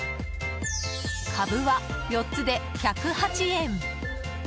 カブは４つで１０８円。